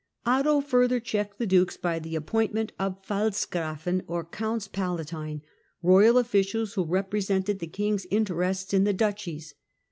I^P Otto further checked the dukes by the appointment of Pfalzgrafen, or Counts Palatine, royal officials who j represented the king's interests in the duchies.